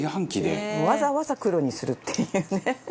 わざわざ黒にするっていうね。